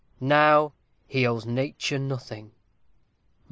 Now he owes nature nothing.